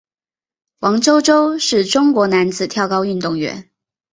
王舟舟是中国男子跳高运动员。